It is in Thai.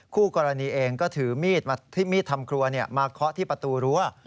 คู่กรณีเองก็ถือมีดทำครัวมาเคาะที่ประตูรั้ว